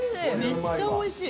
めっちゃおいしい。